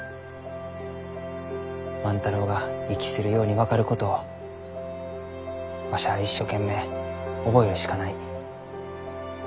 万太郎が息するように分かることをわしは一生懸命覚えるしかない。